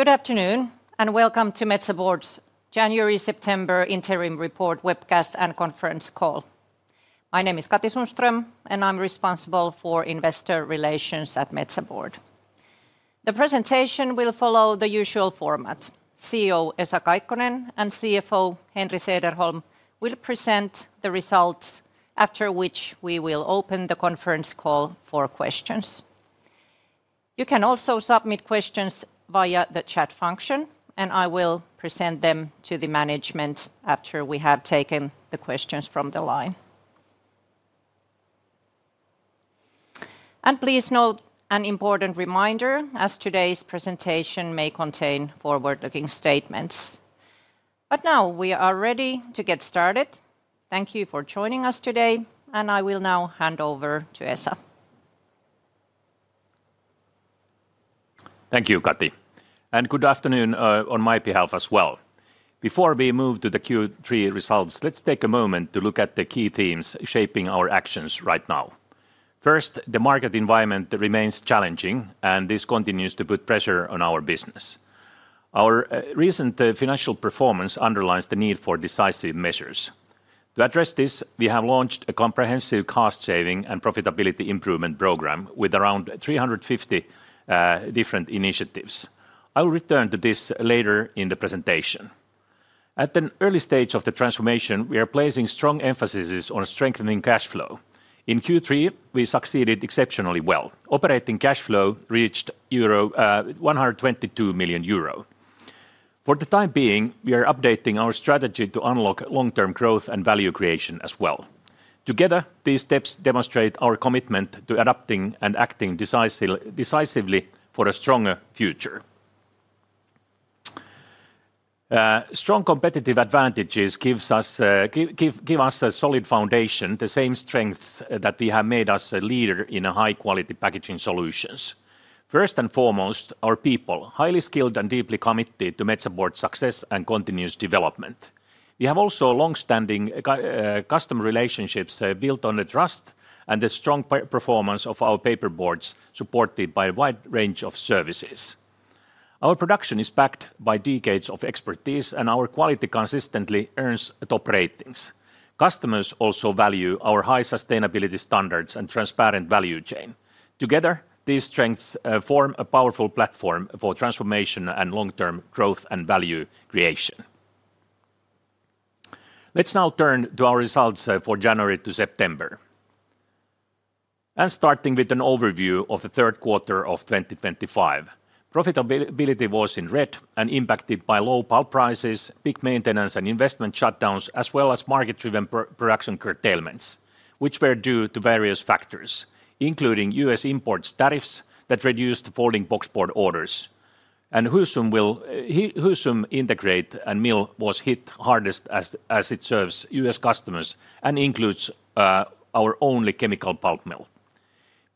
Good afternoon and welcome to Metsä Board's January-September interim report webcast and conference call. My name is Katri Sundström and I'm responsible for Investor Relations at Metsä Board. The presentation will follow the usual format. CEO Esa Kaikkonen and CFO Henri Sederholm will present the results, after which we will open the conference call for questions. You can also submit questions via the chat function, and I will present them to the management after we have taken the questions from the line. Please note an important reminder as today's presentation may contain forward-looking statements. We are ready to get started. Thank you for joining us today, and I will now hand over to Esa. Thank you, Katri, and good afternoon on my behalf as well. Before we move to the Q3 results, let's take a moment to look at the key themes shaping our actions right now. First, the market environment remains challenging, and this continues to put pressure on our business. Our recent financial performance underlines the need for decisive measures. To address this, we have launched a comprehensive cost-saving and profitability improvement program with around 350 different initiatives. I will return to this later in the presentation. At an early stage of the transformation, we are placing strong emphasis on strengthening cash flow. In Q3, we succeeded exceptionally well. Operating cash flow reached 122 million euro. For the time being, we are updating our strategy to unlock long-term growth and value creation as well. Together, these steps demonstrate our commitment to adapting and acting decisively for a stronger future. Strong competitive advantages give us a solid foundation, the same strengths that have made us a leader in high-quality packaging solutions. First and foremost, our people, highly skilled and deeply committed to Metsä Board's success and continuous development. We have also longstanding customer relationships built on the trust and the strong performance of our paperboards, supported by a wide range of services. Our production is backed by decades of expertise, and our quality consistently earns top ratings. Customers also value our high sustainability standards and transparent value chain. Together, these strengths form a powerful platform for transformation and long-term growth and value creation. Let's now turn to our results for January to September. Starting with an overview of the third quarter of 2025. Profitability was in red and impacted by low pulp prices, peak maintenance and investment shutdowns, as well as market-driven production curtailments, which were due to various factors, including U.S. imports' tariffs that reduced folding boxboard orders. The Husum integrated mill was hit hardest as it serves U.S. customers and includes our only chemical pulp mill.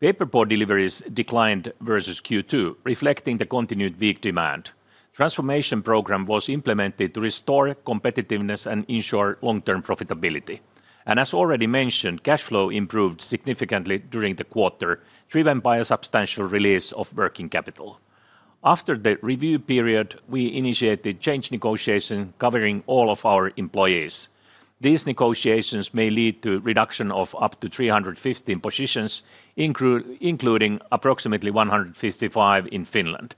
Paperboard deliveries declined versus Q2, reflecting the continued weak demand. The transformation program was implemented to restore competitiveness and ensure long-term profitability. As already mentioned, cash flow improved significantly during the quarter, driven by a substantial release of working capital. After the review period, we initiated change negotiations covering all of our employees. These negotiations may lead to a reduction of up to 315 positions, including approximately 155 in Finland.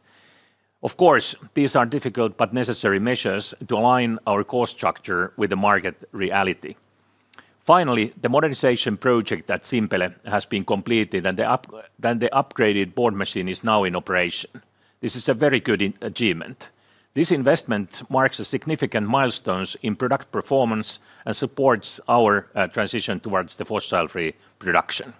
Of course, these are difficult but necessary measures to align our core structure with the market reality. Finally, the modernization project at Simpele has been completed, and the upgraded board machine is now in operation. This is a very good achievement. This investment marks significant milestones in product performance and supports our transition towards fossil-free production.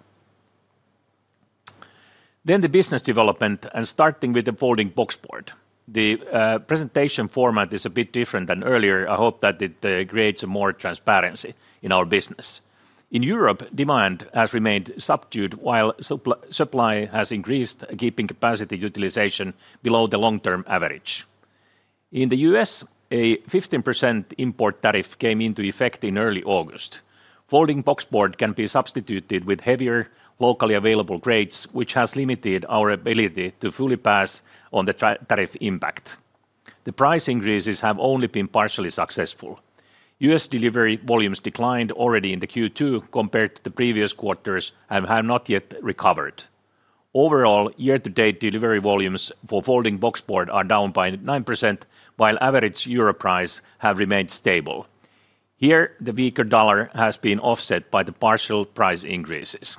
The business development, starting with the folding boxboard. The presentation format is a bit different than earlier. I hope that it creates more transparency in our business. In Europe, demand has remained subdued while supply has increased, keeping capacity utilization below the long-term average. In the U.S., a 15% import tariff came into effect in early August. Folding boxboard can be substituted with heavier, locally available grades, which has limited our ability to fully pass on the tariff impact. The price increases have only been partially successful. U.S. delivery volumes declined already in Q2 compared to the previous quarters and have not yet recovered. Overall, year-to-date delivery volumes for folding boxboard are down by 9%, while average euro prices have remained stable. Here, the weaker dollar has been offset by the partial price increases.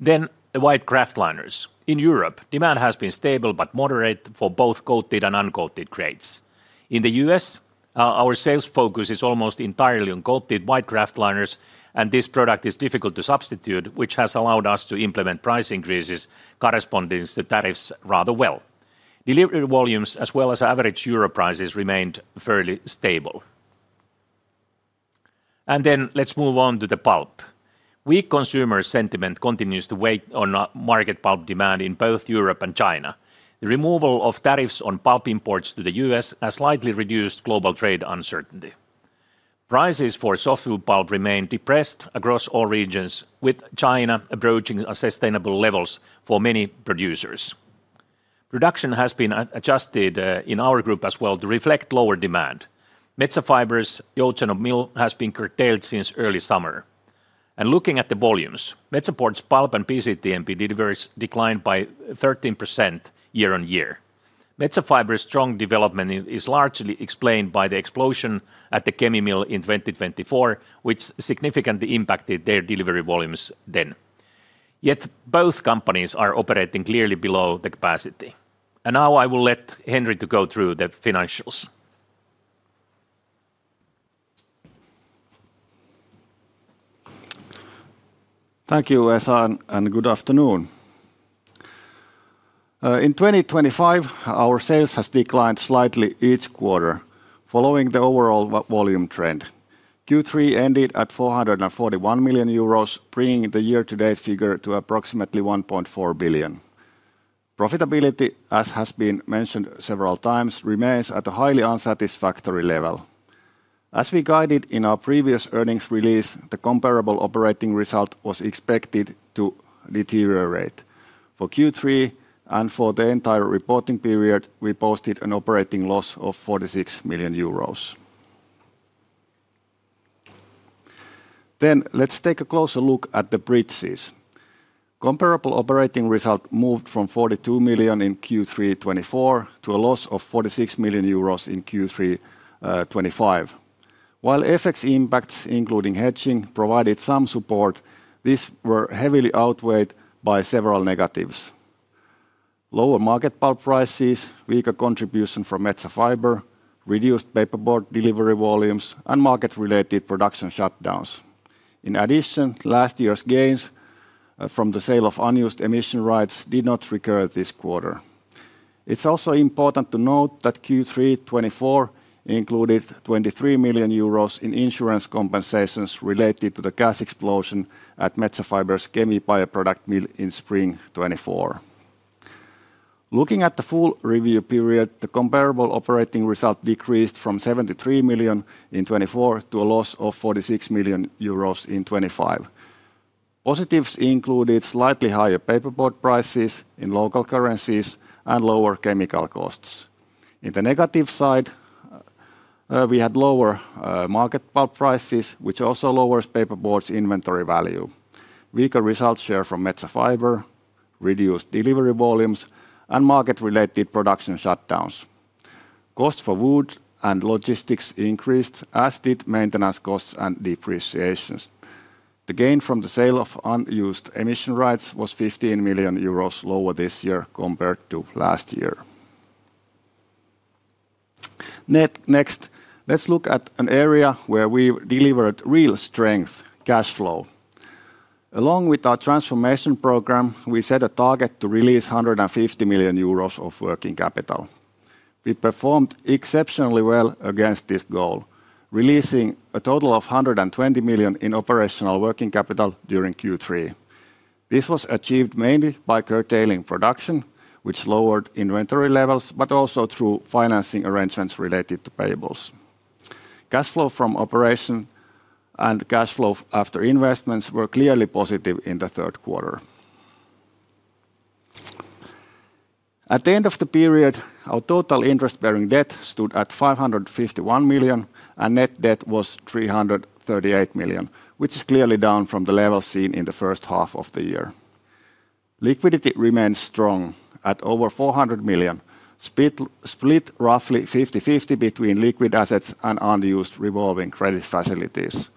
The white kraft liners. In Europe, demand has been stable but moderate for both coated and uncoated grades. In the U.S., our sales focus is almost entirely on coated white kraft liners, and this product is difficult to substitute, which has allowed us to implement price increases corresponding to tariffs rather well. Delivery volumes, as well as average euro prices, remained fairly stable. Moving on to the pulp. Weak consumer sentiment continues to weigh on market pulp demand in both Europe and China. The removal of tariffs on pulp imports to the U.S. has slightly reduced global trade uncertainty. Prices for softwood pulp remain depressed across all regions, with China approaching unsustainable levels for many producers. Production has been adjusted in our group as well to reflect lower demand. Metsä Fibre's Joutseno mill has been curtailed since early summer. Looking at the volumes, Metsä Board's pulp and PCTMP deliveries declined by 13% year on year. Metsä Fibre's strong development is largely explained by the explosion at the Kemi mill in 2024, which significantly impacted their delivery volumes then. Yet both companies are operating clearly below the capacity. I will let Henri go through the financials. Thank you, Esa, and good afternoon. In 2025, our sales have declined slightly each quarter, following the overall volume trend. Q3 ended at 441 million euros, bringing the year-to-date figure to approximately 1.4 billion. Profitability, as has been mentioned several times, remains at a highly unsatisfactory level. As we guided in our previous earnings release, the comparable operating result was expected to deteriorate. For Q3 and for the entire reporting period, we posted an operating loss of 46 million euros. Let's take a closer look at the breaches. Comparable operating result moved from 42 million in Q3 2024 to a loss of 46 million euros in Q3 2025. While FX impacts, including hedging, provided some support, these were heavily outweighed by several negatives: lower market pulp prices, weaker contribution from Metsä Fibre, reduced paperboard delivery volumes, and market-related production shutdowns. In addition, last year's gains from the sale of unused emission rights did not recur this quarter. It's also important to note that Q3 2024 included 23 million euros in insurance compensations related to the gas explosion at Metsä Fibre's Kemi bioproduct mill in spring 2024. Looking at the full review period, the comparable operating result decreased from 73 million in 2024 to a loss of 46 million euros in 2025. Positives included slightly higher paperboard prices in local currencies and lower chemical costs. On the negative side, we had lower market pulp prices, which also lowers paperboard's inventory value. Weaker result share from Metsä Fibre, reduced delivery volumes, and market-related production shutdowns. Costs for wood and logistics increased, as did maintenance costs and depreciations. The gain from the sale of unused emission rights was 15 million euros lower this year compared to last year. Next, let's look at an area where we delivered real strength: cash flow. Along with our transformation program, we set a target to release 150 million euros of working capital. We performed exceptionally well against this goal, releasing a total of 120 million in operational working capital during Q3. This was achieved mainly by curtailing production, which lowered inventory levels, but also through financing arrangements related to payables. Cash flow from operation and cash flow after investments were clearly positive in the third quarter. At the end of the period, our total interest-bearing debt stood at 551 million, and net debt was 338 million, which is clearly down from the levels seen in the first half of the year. Liquidity remains strong at over 400 million, split roughly 50/50 between liquid assets and unused revolving credit facilities.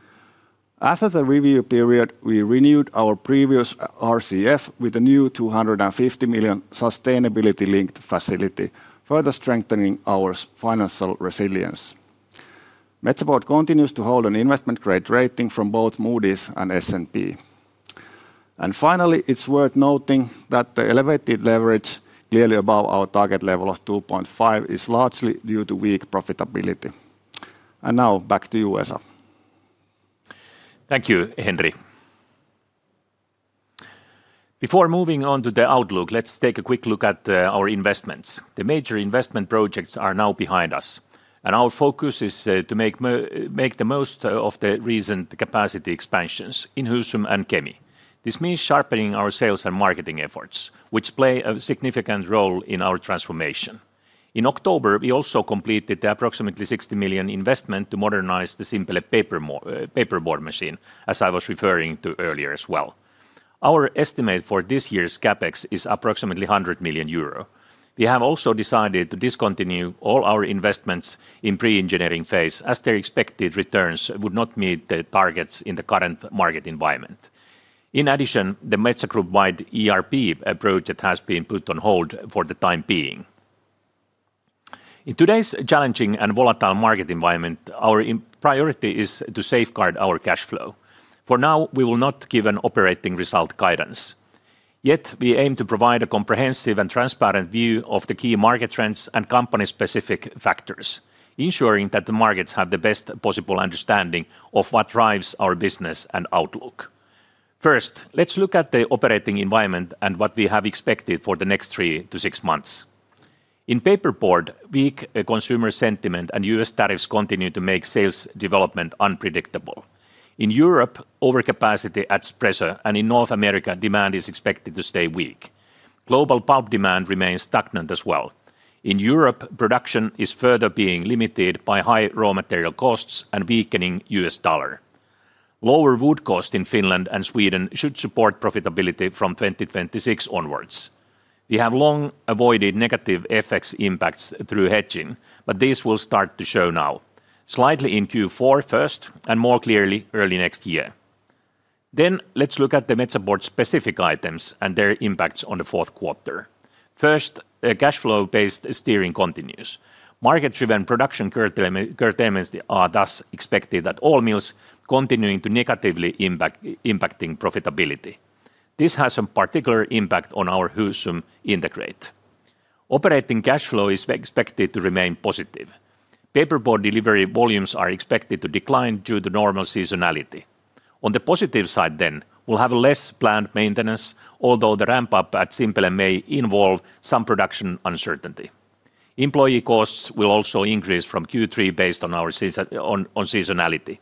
After the review period, we renewed our previous RCF with a new 250 million sustainability-linked facility, further strengthening our financial resilience. Metsä Board continues to hold an investment-grade rating from both Moody's and S&P. It is worth noting that the elevated leverage, clearly above our target level of 2.5, is largely due to weak profitability. Now back to you, Esa. Thank you, Henri. Before moving on to the outlook, let's take a quick look at our investments. The major investment projects are now behind us, and our focus is to make the most of the recent capacity expansions in Husum and Kemi. This means sharpening our sales and marketing efforts, which play a significant role in our transformation. In October, we also completed the approximately 60 million investment to modernize the Simpele paperboard machine, as I was referring to earlier as well. Our estimate for this year's CapEx is approximately 100 million euro. We have also decided to discontinue all our investments in the pre-engineering phase, as their expected returns would not meet the targets in the current market environment. In addition, the Metsä Group-wide ERP project has been put on hold for the time being. In today's challenging and volatile market environment, our priority is to safeguard our cash flow. For now, we will not give an operating result guidance. Yet, we aim to provide a comprehensive and transparent view of the key market trends and company-specific factors, ensuring that the markets have the best possible understanding of what drives our business and outlook. First, let's look at the operating environment and what we have expected for the next three to six months. In paperboard, weak consumer sentiment and U.S. tariffs continue to make sales development unpredictable. In Europe, overcapacity adds pressure, and in North America, demand is expected to stay weak. Global pulp demand remains stagnant as well. In Europe, production is further being limited by high raw material costs and weakening U.S. dollar. Lower wood costs in Finland and Sweden should support profitability from 2026 onwards. We have long avoided negative FX impacts through hedging, but these will start to show now, slightly in Q4 first and more clearly early next year. Let's look at the Metsä Board-specific items and their impacts on the fourth quarter. First, cash flow-based steering continues. Market-driven production curtailments are thus expected at all mills, continuing to negatively impact profitability. This has a particular impact on our Husum integrate. Operating cash flow is expected to remain positive. Paperboard delivery volumes are expected to decline due to normal seasonality. On the positive side, we'll have less planned maintenance, although the ramp-up at Simpele may involve some production uncertainty. Employee costs will also increase from Q3 based on seasonality.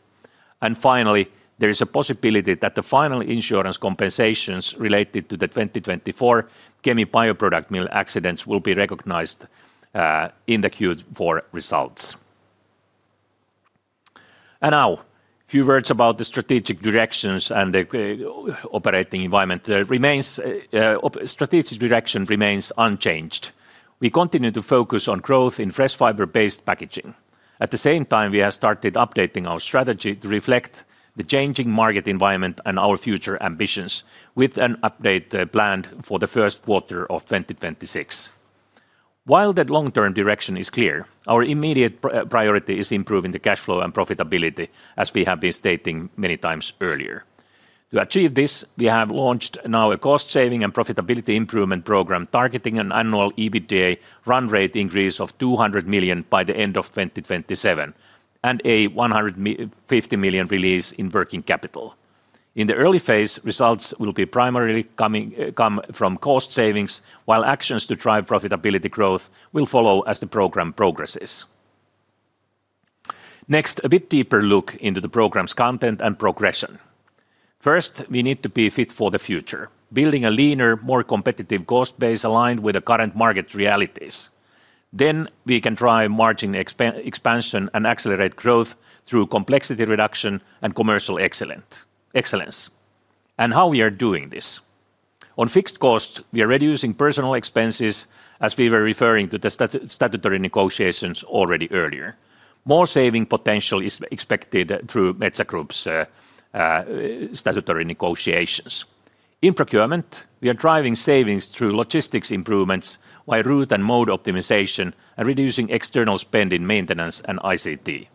Finally, there is a possibility that the final insurance compensations related to the 2024 Kemi bioproduct mill accidents will be recognized in the Q4 results. Now, a few words about the strategic directions and the operating environment. The strategic direction remains unchanged. We continue to focus on growth in fresh fiber-based packaging. At the same time, we have started updating our strategy to reflect the changing market environment and our future ambitions, with an update planned for the first quarter of 2026. While the long-term direction is clear, our immediate priority is improving the cash flow and profitability, as we have been stating many times earlier. To achieve this, we have launched now a cost-saving and profitability improvement program targeting an annual EBITDA run-rate increase of 200 million by the end of 2027 and a 150 million release in working capital. In the early phase, results will be primarily coming from cost savings, while actions to drive profitability growth will follow as the program progresses. Next, a bit deeper look into the program's content and progression. First, we need to be fit for the future, building a leaner, more competitive cost base aligned with the current market realities. We can drive margin expansion and accelerate growth through complexity reduction and commercial excellence. How we are doing this: On fixed costs, we are reducing personnel expenses, as we were referring to the statutory negotiations already earlier. More saving potential is expected through Metsä Group's statutory negotiations. In procurement, we are driving savings through logistics improvements, while route and mode optimization are reducing external spend in maintenance and ICT.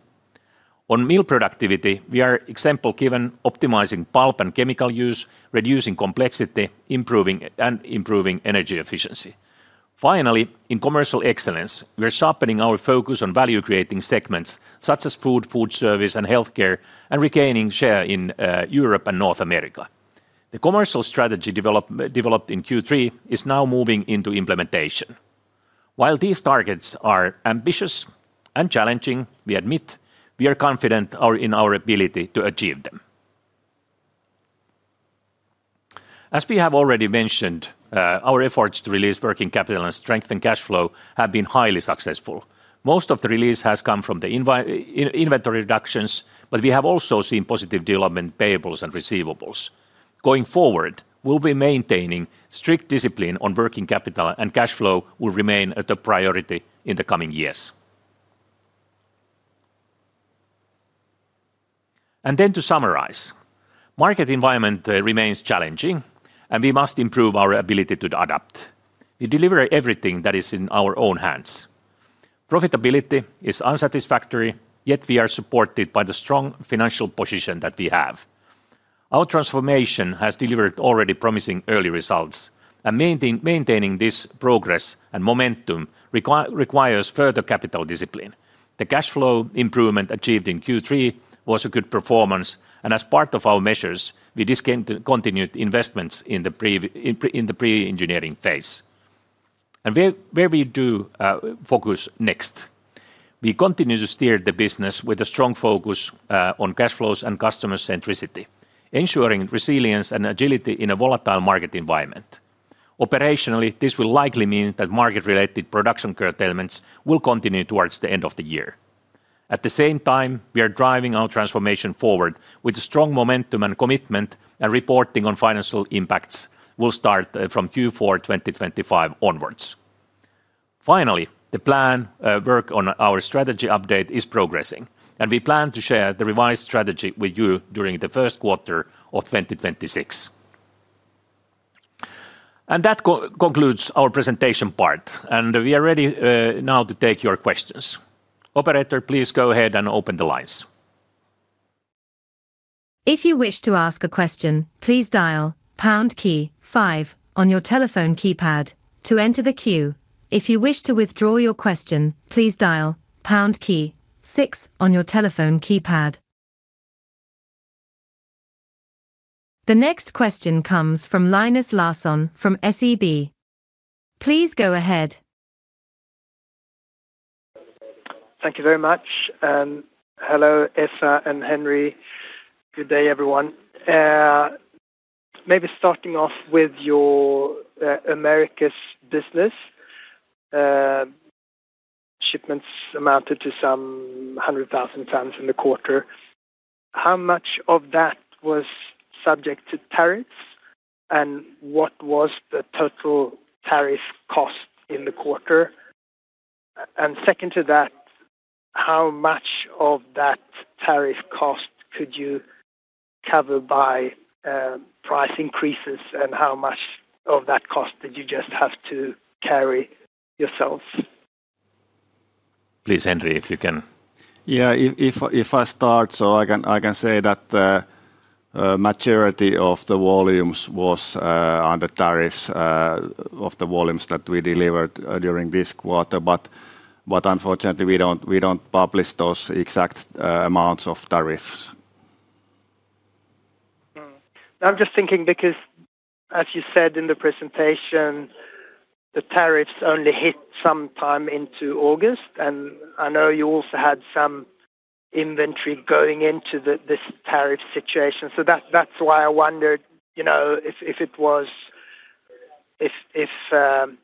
On mill productivity, we are, for example, optimizing pulp and chemical use, reducing complexity, and improving energy efficiency. Finally, in commercial excellence, we are sharpening our focus on value-creating segments such as food, food service, and healthcare, and regaining share in Europe and North America. The commercial strategy developed in Q3 is now moving into implementation. While these targets are ambitious and challenging, we are confident in our ability to achieve them. As we have already mentioned, our efforts to release working capital and strengthen cash flow have been highly successful. Most of the release has come from the inventory reductions, but we have also seen positive development in payables and receivables. Going forward, we'll be maintaining strict discipline on working capital, and cash flow will remain a top priority in the coming years. To summarize, the market environment remains challenging, and we must improve our ability to adapt. We deliver everything that is in our own hands. Profitability is unsatisfactory, yet we are supported by the strong financial position that we have. Our transformation has delivered already promising early results, and maintaining this progress and momentum requires further capital discipline. The cash flow improvement achieved in Q3 was a good performance, and as part of our measures, we discontinued investments in the pre-engineering phase. Where we do focus next, we continue to steer the business with a strong focus on cash flows and customer centricity, ensuring resilience and agility in a volatile market environment. Operationally, this will likely mean that market-related production curtailments will continue towards the end of the year. At the same time, we are driving our transformation forward with strong momentum and commitment, and reporting on financial impacts will start from Q4 2025 onwards. Finally, the planned work on our strategy update is progressing, and we plan to share the revised strategy with you during the first quarter of 2026. That concludes our presentation part, and we are ready now to take your questions. Operator, please go ahead and open the lines. If you wish to ask a question, please dial pound key five on your telephone keypad to enter the queue. If you wish to withdraw your question, please dial pound key six on your telephone keypad. The next question comes from Linus Larsson from SEB. Please go ahead. Thank you very much. Hello, Esa and Henri. Good day, everyone. Maybe starting off with your Americas business, shipments amounted to some 100,000 tons in the quarter. How much of that was subject to tariffs, and what was the total tariff cost in the quarter? Second to that, how much of that tariff cost could you cover by price increases, and how much of that cost did you just have to carry yourself? Please, Henri, if you can. Yeah. If I start, I can say that the majority of the volumes was under tariffs of the volumes that we delivered during this quarter, but unfortunately, we don't publish those exact amounts of tariffs. I'm just thinking because, as you said in the presentation, the tariffs only hit sometime into August, and I know you also had some inventory going into this tariff situation. That's why I wondered, you know, if it was, and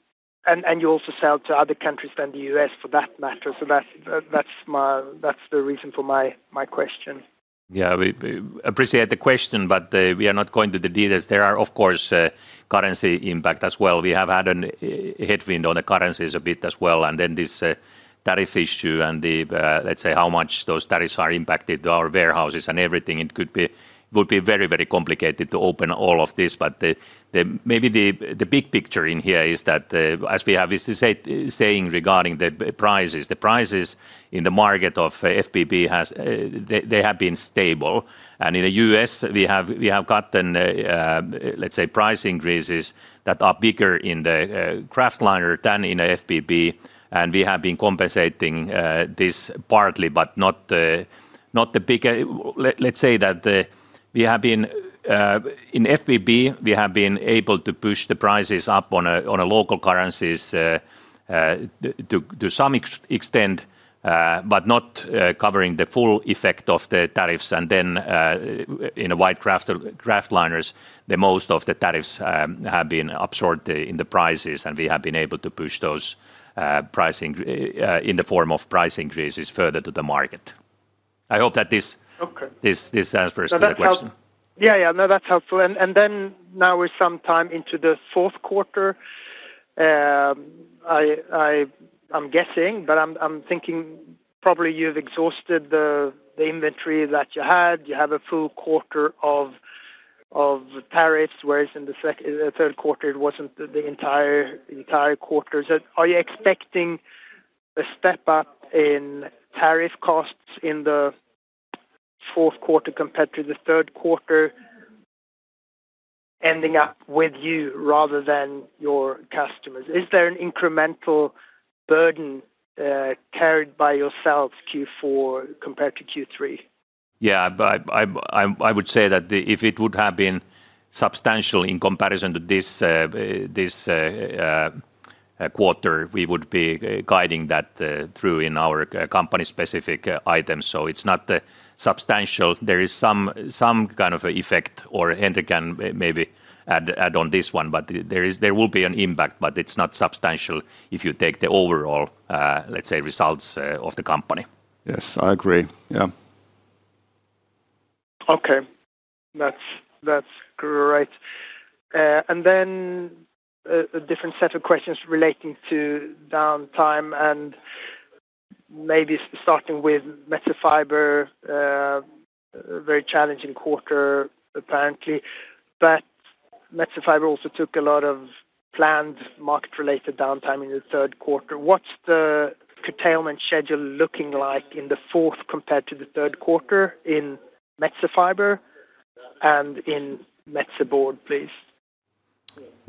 you also sell to other countries than the U.S. for that matter. That's the reason for my question. Yeah, we appreciate the question, but we are not going into the details. There are, of course, currency impacts as well. We have had a headwind on the currencies a bit as well, and then this tariff issue and let's say how much those tariffs are impacting our warehouses and everything, it would be very, very complicated to open all of this. Maybe the big picture in here is that, as we have been saying regarding the prices, the prices in the market of fresh fibre paperboards, they have been stable. In the U.S., we have gotten, let's say, price increases that are bigger in the kraftliners than in the FBB, and we have been compensating this partly, but not the bigger. Let's say that we have been, in FBB, we have been able to push the prices up on local currencies to some extent, but not covering the full effect of the tariffs. In the white kraft liners, most of the tariffs have been absorbed in the prices, and we have been able to push those pricing in the form of price increases further to the market. I hope that this answers the question. Yeah, that's helpful. Now we're sometime into the fourth quarter, I'm guessing, but I'm thinking probably you've exhausted the inventory that you had. You have a full quarter of tariffs, whereas in the third quarter, it wasn't the entire quarter. Are you expecting a step up in tariff costs in the fourth quarter compared to the third quarter, ending up with you rather than your customers? Is there an incremental burden carried by yourselves Q4 compared to Q3? I would say that if it would have been substantial in comparison to this quarter, we would be guiding that through in our company-specific items. It's not substantial. There is some kind of effect, or Henri can maybe add on this one, but there will be an impact, but it's not substantial if you take the overall, let's say, results of the company. Yes, I agree. Yeah. Okay, that's great. A different set of questions relating to downtime, maybe starting with Metsä Fibre, a very challenging quarter apparently. Metsä Fibre also took a lot of planned market-related downtime in the third quarter. What's the curtailment schedule looking like in the fourth compared to the third quarter in Metsä Fibre and in Metsä Board, please?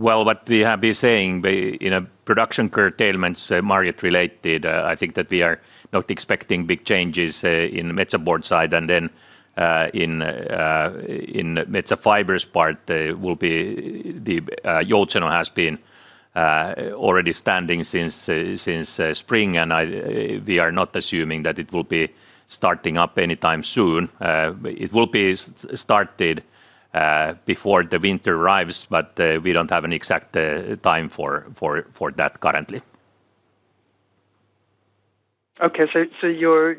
In a production curtailment market-related situation, I think that we are not expecting big changes in Metsä Board's side. In Metsä Fibre's part, Joutseno has already been standing since spring, and we are not assuming that it will be starting up anytime soon. It will be started before the winter arrives, but we don't have an exact time for that currently. Okay, so you're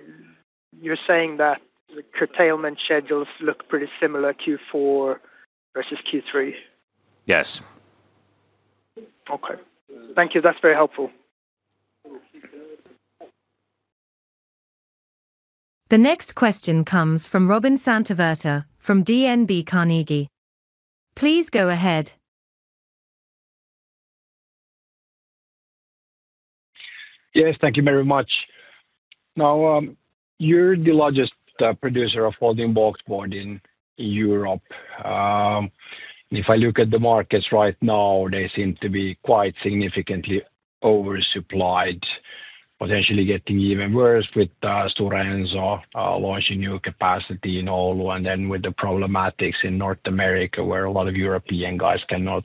saying that the curtailment schedules look pretty similar Q4 versus Q3? Yes. Okay, thank you. That's very helpful. The next question comes from Robin Santavirta from DNB Carnegie. Please go ahead. Yes, thank you very much. Now, you're the largest producer of folding boxboard in Europe. If I look at the markets right now, they seem to be quite significantly oversupplied, potentially getting even worse with Stora Enso launching new capacity in Oulu, and with the problematics in North America where a lot of European guys cannot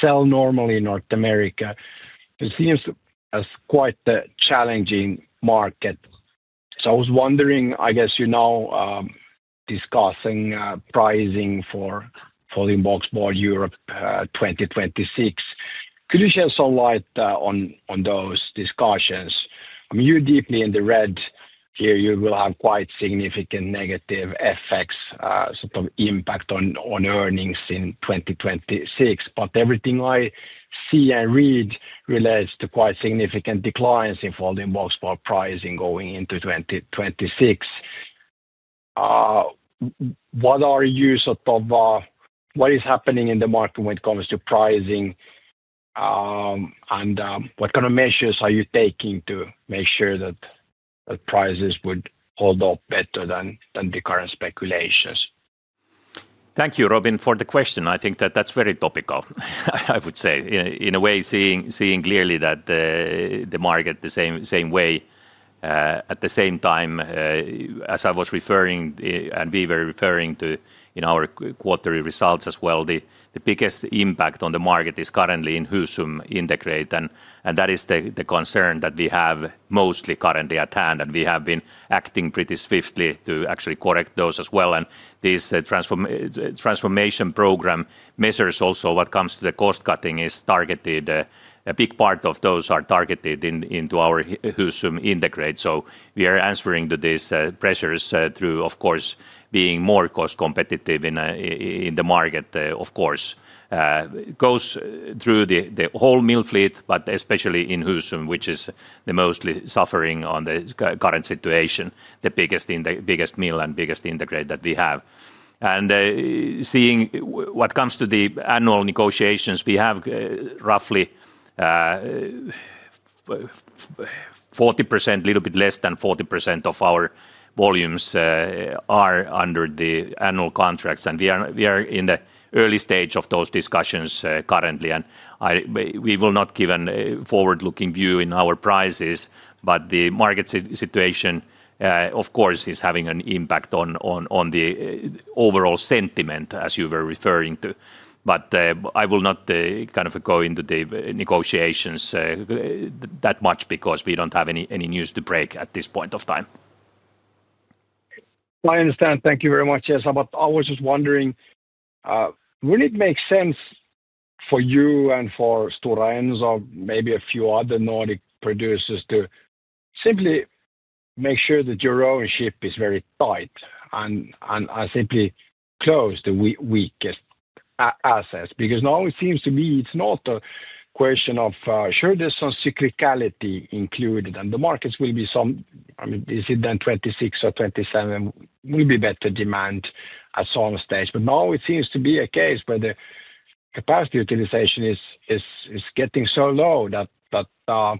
sell normally in North America. It seems as quite a challenging market. I was wondering, I guess you're now discussing pricing for folding boxboard Europe 2026. Could you shed some light on those discussions? I mean, you're deeply in the red here. You will have quite significant negative effects, sort of impact on earnings in 2026. Everything I see and read relates to quite significant declines in folding boxboard pricing going into 2026. What are you sort of, what is happening in the market when it comes to pricing? What kind of measures are you taking to make sure that prices would hold up better than the current speculations? Thank you, Robin, for the question. I think that that's very topical, I would say. In a way, seeing clearly that the market, the same way, at the same time, as I was referring, and we were referring to in our quarterly results as well, the biggest impact on the market is currently in Husum integrate. That is the concern that we have mostly currently at hand. We have been acting pretty swiftly to actually correct those as well. This transformation program measures also what comes to the cost cutting is targeted. A big part of those are targeted into our Husum integrate. We are answering to these pressures through, of course, being more cost-competitive in the market, of course. It goes through the whole mill fleet, but especially in Husum, which is the most suffering on the current situation, the biggest mill and biggest integrate that we have. Seeing what comes to the annual negotiations, we have roughly 40%, a little bit less than 40% of our volumes are under the annual contracts. We are in the early stage of those discussions currently. We will not give a forward-looking view in our prices, but the market situation, of course, is having an impact on the overall sentiment, as you were referring to. I will not kind of go into the negotiations that much because we don't have any news to break at this point of time. I understand. Thank you very much, Esa. I was just wondering, would it make sense for you and for Stora Enso or maybe a few other Nordic producers to simply make sure that your own ship is very tight and simply close the weakest assets? It seems to me it's not a question of, sure, there's some cyclicality included, and the markets will be some, I mean, is it then 2026 or 2027? There will be better demand at some stage. It seems to be a case where the capacity utilization is getting so low that the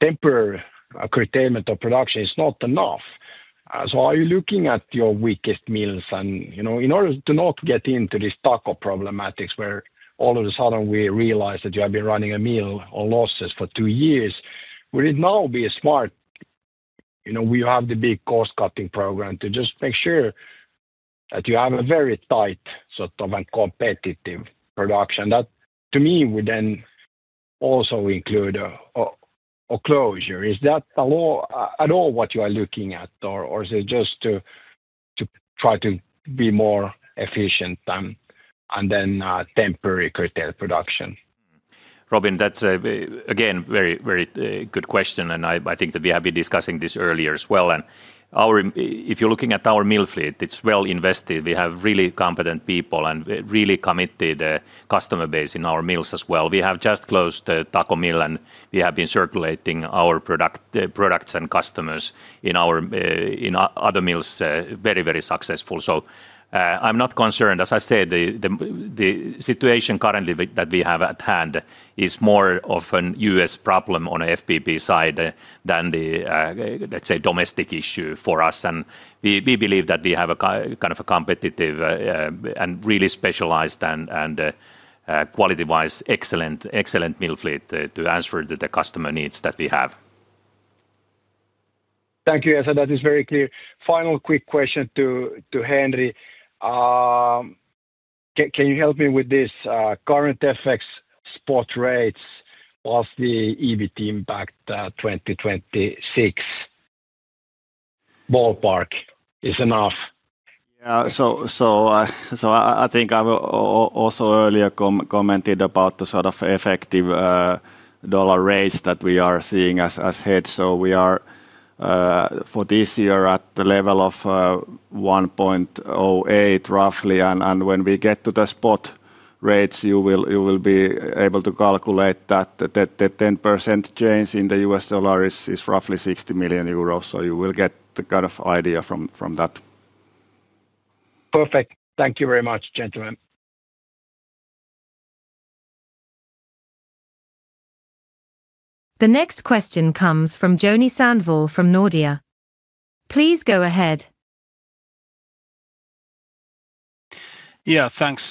temporary curtailment of production is not enough. Are you looking at your weakest mills? In order to not get into this stock of problematics where all of a sudden we realize that you have been running a mill on losses for two years, would it now be smart? We have the big cost-cutting program to just make sure that you have a very tight sort of competitive production. That to me would then also include a closure. Is that at all what you are looking at, or is it just to try to be more efficient and then temporarily curtail production? Robin, that's again a very, very good question. I think that we have been discussing this earlier as well. If you're looking at our mill fleet, it's well invested. We have really competent people and a really committed customer base in our mills as well. We have just closed the Tako mill, and we have been circulating our products and customers in other mills, very, very successfully. I'm not concerned. The situation currently that we have at hand is more of a U.S. problem on the FBB side than a domestic issue for us. We believe that we have a kind of a competitive and really specialized and quality-wise excellent mill fleet to answer the customer needs that we have. Thank you, Esa. That is very clear. Final quick question to Henri. Can you help me with this? Current FX spot rates plus the EBIT impact 2026 ballpark is enough. I think I also earlier commented about the sort of effective dollar rates that we are seeing as heads. We are for this year at the level of $1.08 roughly. When we get to the spot rates, you will be able to calculate that the 10% change in the U.S. dollar is roughly 60 million euros. You will get the kind of idea from that. Perfect. Thank you very much, gentlemen. The next question comes from Joni Sandvall from Nordea. Please go ahead. Yeah, thanks.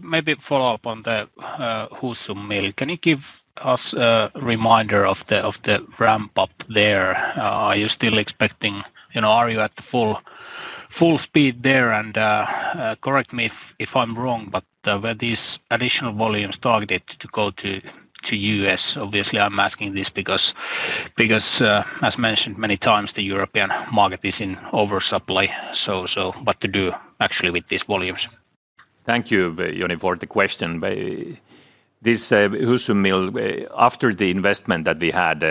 Maybe follow up on the Husum mill. Can you give us a reminder of the ramp-up there? Are you still expecting, you know, are you at full speed there? Correct me if I'm wrong, but were these additional volumes targeted to go to the U.S.? Obviously, I'm asking this because, as mentioned many times, the European market is in oversupply. What to do actually with these volumes? Thank you, Joni, for the question. This Husum mill, after the investment that we had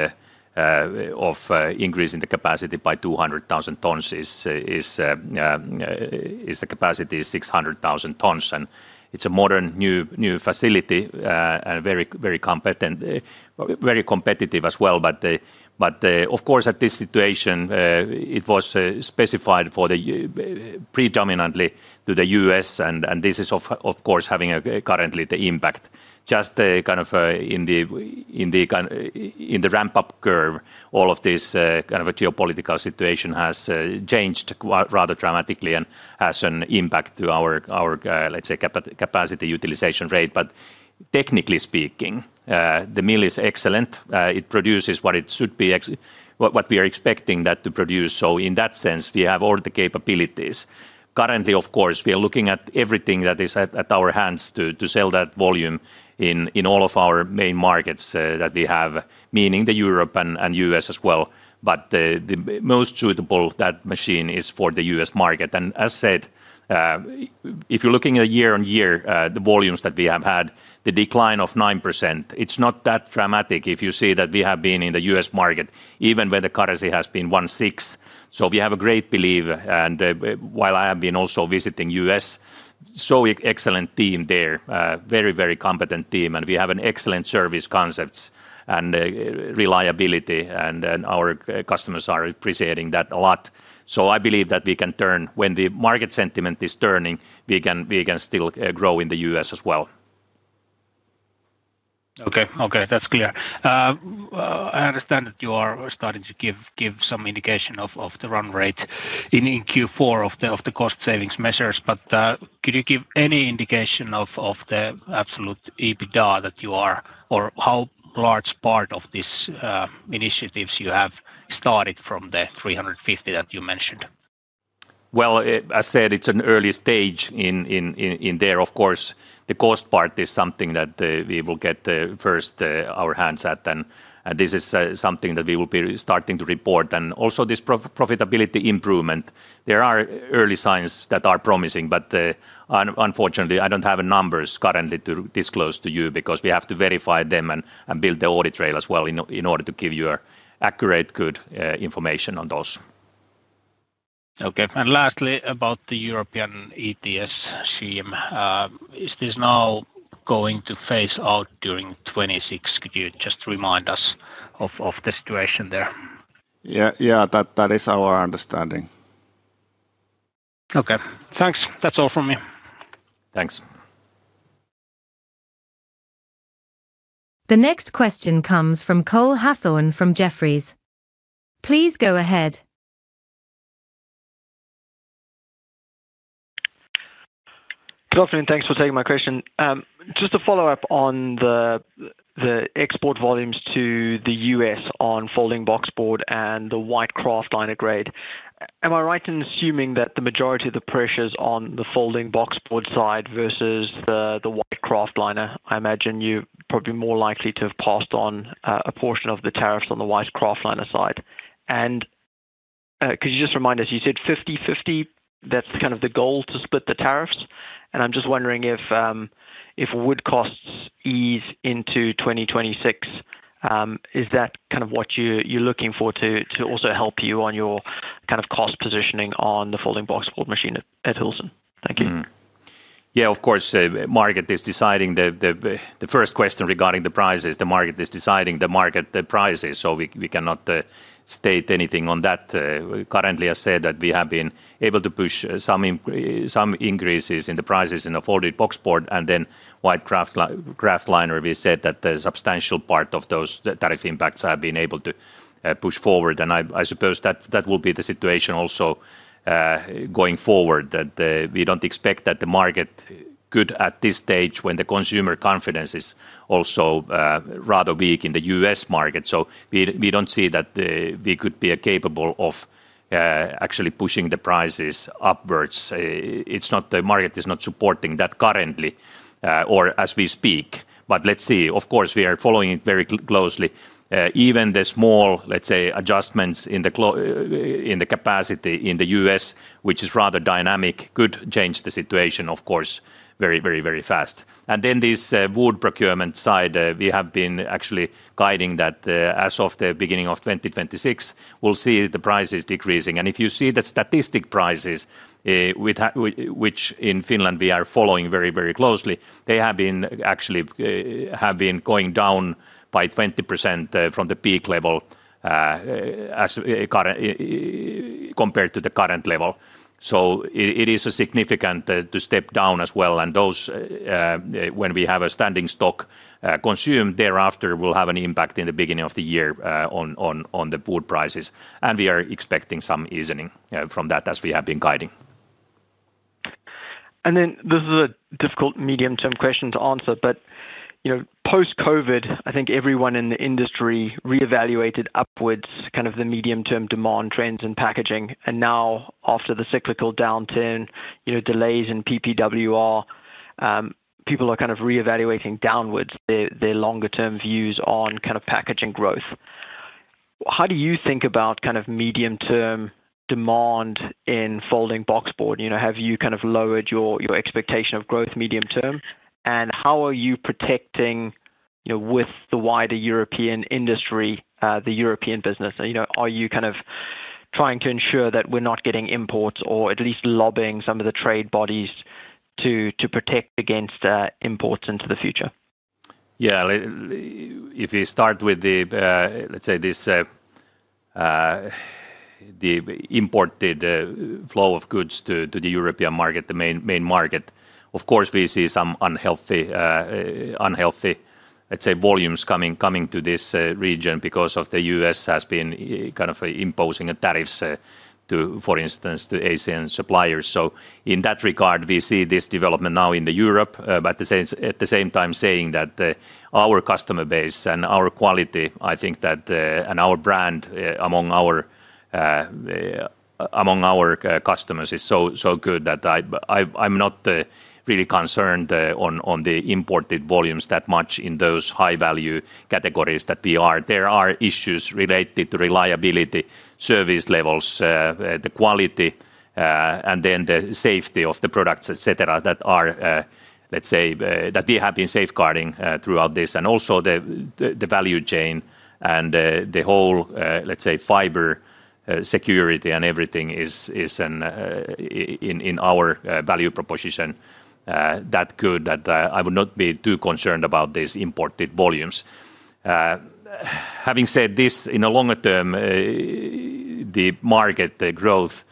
of increasing the capacity by 200,000 tons, the capacity is 600,000 tons. It's a modern new facility and very competitive as well. Of course, at this situation, it was specified predominantly to the U.S. This is, of course, having currently the impact. Just kind of in the ramp-up curve, all of this kind of geopolitical situation has changed rather dramatically and has an impact to our, let's say, capacity utilization rate. Technically speaking, the mill is excellent. It produces what we are expecting that to produce. In that sense, we have all the capabilities. Currently, of course, we are looking at everything that is at our hands to sell that volume in all of our main markets that we have, meaning Europe and U.S. as well. The most suitable machine is for the U.S. market. As said, if you're looking at year on year, the volumes that we have had, the decline of 9%, it's not that dramatic if you see that we have been in the U.S. market, even where the currency has been 1.6. We have a great belief. While I have been also visiting the U.S., excellent team there, very, very competent team. We have an excellent service concept and reliability, and our customers are appreciating that a lot. I believe that we can turn, when the market sentiment is turning, we can still grow in the U.S. as well. Okay, that's clear. I understand that you are starting to give some indication of the run rate in Q4 of the cost savings measures, but could you give any indication of the absolute EBITDA that you are, or how large part of these initiatives you have started from the 350 that you mentioned? As I said, it's an early stage in there. Of course, the cost part is something that we will get first our hands at, and this is something that we will be starting to report. Also, this profitability improvement, there are early signs that are promising, but unfortunately, I don't have numbers currently to disclose to you because we have to verify them and build the audit trail as well in order to give you accurate, good information on those. Okay, and lastly, about the European ETS scheme, is this now going to phase out during 2026? Could you just remind us of the situation there? Yeah, that is our understanding. Okay, thanks. That's all from me. Thanks. The next question comes from Cole Hathorn from Jefferies. Please go ahead. Thanks for taking my question. Just to follow up on the export volumes to the U.S. on folding boxboard and the white kraft liner grade, am I right in assuming that the majority of the pressures on the folding boxboard side versus the white kraft liner, I imagine you're probably more likely to have passed on a portion of the tariffs on the white kraft liner side. Could you just remind us, you said 50/50, that's kind of the goal to split the tariffs. I'm just wondering if wood costs ease into 2026, is that kind of what you're looking for to also help you on your kind of cost positioning on the folding boxboard machine at Husum? Thank you. Yeah, of course, the market is deciding the first question regarding the prices. The market is deciding the market prices, so we cannot state anything on that. Currently, I said that we have been able to push some increases in the prices in the folding boxboard and then white kraft liners. We said that the substantial part of those tariff impacts have been able to push forward, and I suppose that will be the situation also going forward, that we don't expect that the market could at this stage when the consumer confidence is also rather weak in the U.S. market. We don't see that we could be capable of actually pushing the prices upwards. The market is not supporting that currently, or as we speak, but let's see. Of course, we are following it very closely. Even the small, let's say, adjustments in the capacity in the U.S., which is rather dynamic, could change the situation, of course, very, very, very fast. This wood procurement side, we have been actually guiding that as of the beginning of 2026, we'll see the prices decreasing. If you see the statistic prices, which in Finland we are following very, very closely, they have been actually going down by 20% from the peak level compared to the current level. It is significant to step down as well, and those, when we have a standing stock consumed thereafter, will have an impact in the beginning of the year on the wood prices. We are expecting some easing from that as we have been guiding. This is a difficult medium-term question to answer, but you know, post-COVID, I think everyone in the industry reevaluated upwards kind of the medium-term demand trends in packaging. Now, after the cyclical downturn, delays in PPWR, people are kind of reevaluating downwards their longer-term views on kind of packaging growth. How do you think about kind of medium-term demand in folding boxboard? Have you kind of lowered your expectation of growth medium-term? How are you protecting, you know, with the wider European industry, the European business? Are you kind of trying to ensure that we're not getting imports or at least lobbying some of the trade bodies to protect against imports into the future? Yeah, if you start with the, let's say, the imported flow of goods to the European market, the main market, of course, we see some unhealthy, let's say, volumes coming to this region because the U.S. has been kind of imposing tariffs, for instance, to Asian suppliers. In that regard, we see this development now in Europe, but at the same time, saying that our customer base and our quality, I think that, and our brand among our customers is so good that I'm not really concerned on the imported volumes that much in those high-value categories that we are. There are issues related to reliability, service levels, the quality, and then the safety of the products, etc., that are, let's say, that we have been safeguarding throughout this. Also, the value chain and the whole, let's say, fiber security and everything is in our value proposition. I would not be too concerned about these imported volumes. Having said this, in a longer term, the market growth,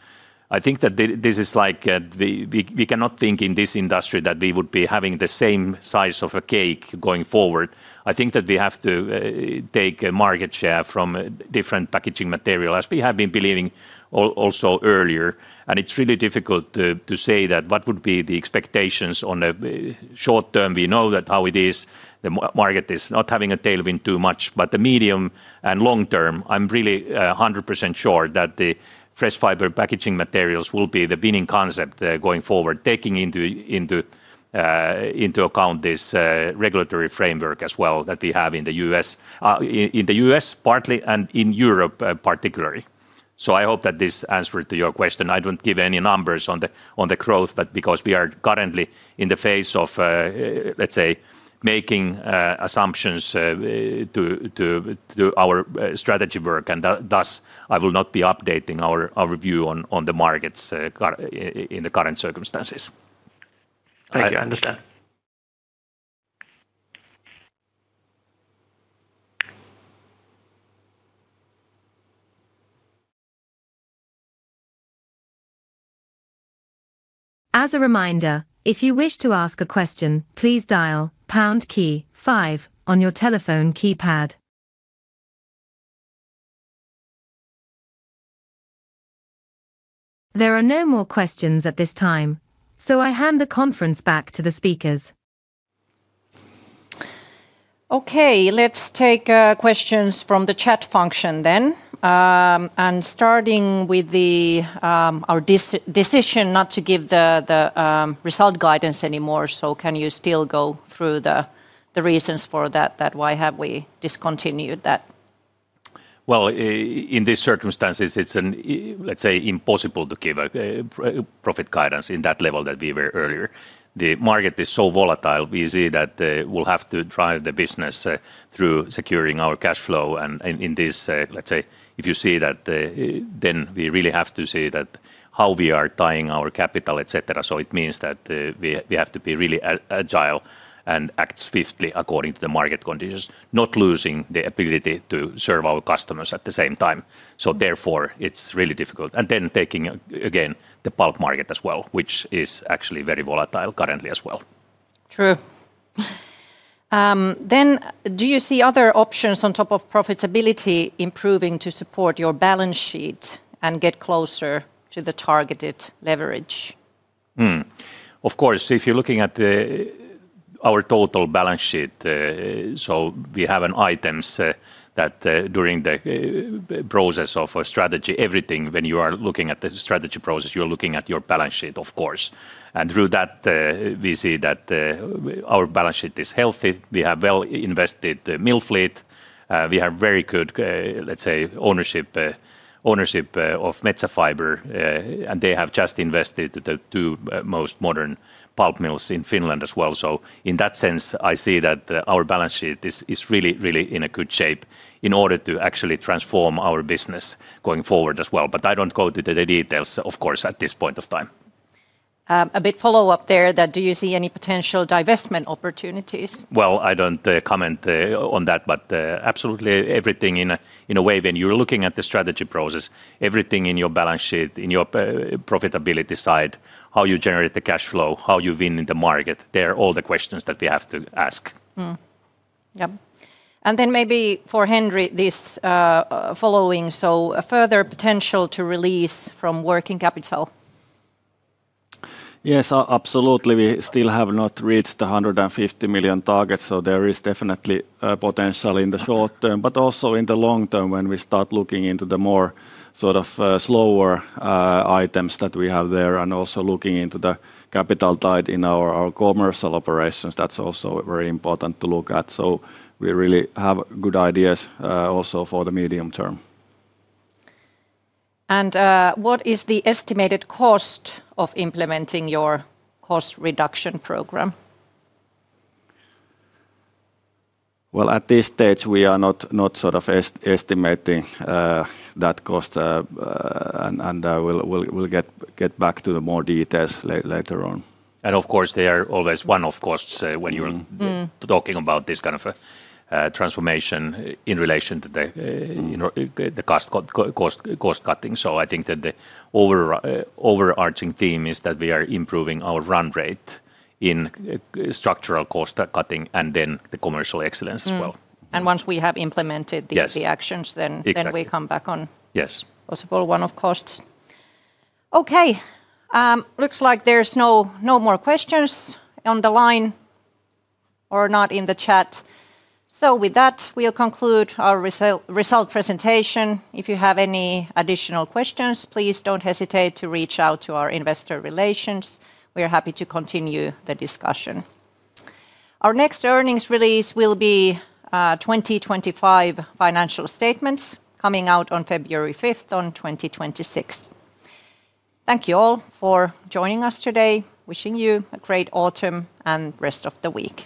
I think that this is like we cannot think in this industry that we would be having the same size of a cake going forward. I think that we have to take market share from different packaging materials, as we have been believing also earlier. It's really difficult to say what would be the expectations on the short term. We know how it is, the market is not having a tailwind too much, but the medium and long term, I'm really 100% sure that the fresh fibre packaging materials will be the winning concept going forward, taking into account this regulatory framework as well that we have in the U.S., partly, and in Europe particularly. I hope that this answered your question. I don't give any numbers on the growth, because we are currently in the phase of, let's say, making assumptions to our strategy work, and thus I will not be updating our view on the markets in the current circumstances. Thank you. I understand. As a reminder, if you wish to ask a question, please dial the pound key five on your telephone keypad. There are no more questions at this time, so I hand the conference back to the speakers. Okay, let's take questions from the chat function. Starting with our decision not to give the result guidance anymore, can you still go through the reasons for that? Why have we discontinued that? In these circumstances, it's, let's say, impossible to give a profit guidance in that level that we were earlier. The market is so volatile, we see that we'll have to drive the business through securing our cash flow. In this, let's say, if you see that, then we really have to see how we are tying our capital, etc. It means that we have to be really agile and act swiftly according to the market conditions, not losing the ability to serve our customers at the same time. Therefore, it's really difficult. Taking again the pulp market as well, which is actually very volatile currently as well. True. Do you see other options on top of profitability improving to support your balance sheet and get closer to the targeted leverage? Of course, if you're looking at our total balance sheet, we have items that during the process of strategy, everything, when you are looking at the strategy process, you're looking at your balance sheet, of course. Through that, we see that our balance sheet is healthy. We have well-invested mill fleet. We have very good, let's say, ownership of Metsä Fibre, and they have just invested the two most modern pulp mills in Finland as well. In that sense, I see that our balance sheet is really, really in a good shape in order to actually transform our business going forward as well. I don't go to the details, of course, at this point of time. A bit of follow-up there, do you see any potential divestment opportunities? I don't comment on that, but absolutely everything in a way, when you're looking at the strategy process, everything in your balance sheet, in your profitability side, how you generate the cash flow, how you win in the market, they're all the questions that we have to ask. Yeah, maybe for Henri, this following, further potential to release from working capital? Yes, absolutely. We still have not reached the $150 million target, so there is definitely potential in the short term, but also in the long term when we start looking into the more sort of slower items that we have there, and also looking into the capital tied in our commercial operations, that's also very important to look at. We really have good ideas also for the medium term. What is the estimated cost of implementing your cost reduction program? At this stage, we are not sort of estimating that cost, and we'll get back to more details later on. Of course, there are always one-off costs when you're talking about this kind of transformation in relation to the cost cutting. I think that the overarching theme is that we are improving our run rate in structural cost cutting and then the commercial excellence as well. Once we have implemented the actions, we will come back on possible one-off costs. It looks like there's no more questions on the line or in the chat. With that, we'll conclude our result presentation. If you have any additional questions, please don't hesitate to reach out to our Investor Relations. We are happy to continue the discussion. Our next earnings release will be the 2025 financial statements coming out on February 5, 2026. Thank you all for joining us today. Wishing you a great autumn and rest of the week.